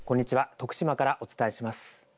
徳島からお伝えします。